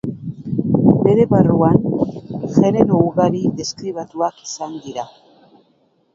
Bere barruan genero ugari deskribatuak izan dira.